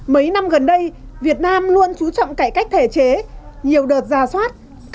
mấy năm gần đây việt nam luôn chú trọng cải cách thể chế nhiều đợt giả soát